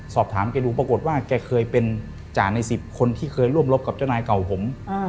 แกดูปรากฏว่าแกเคยเป็นจ่าใน๑๐คนที่เคยร่วมรบกับเจ้านายเก่าผม